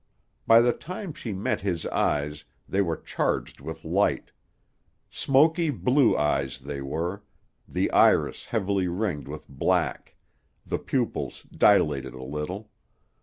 By the time she met his eyes they were charged with light; smoky blue eyes they were, the iris heavily ringed with black, the pupils dilated a little.